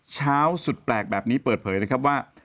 สุดแปลกแบบนี้เปิดเผยนะครับว่า